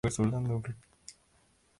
Tom entonces se reúne con Ellie.